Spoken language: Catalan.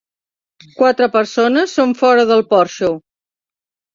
Quatre persones són fora del porxo